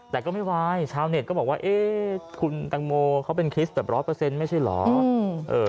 แต่ก็ไม่วายชาวเน็ตก็บอกว่าเอ๊ะคุณตังโมเขาเป็นคริสต์แบบร้อยเปอร์เซ็นต์ไม่ใช่เหรอ